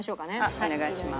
お願いします。